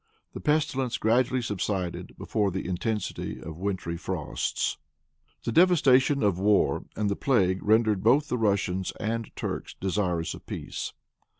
The pestilence gradually subsided before the intensity of wintry frosts. The devastations of war and of the plague rendered both the Russians and Turks desirous of peace.